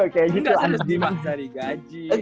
gue gak harus dimaksari gajah